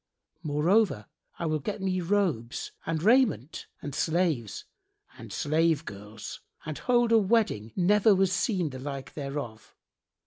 Moreover, I will get me robes and raiment and slaves and slave girls and hold a wedding never was seen the like thereof.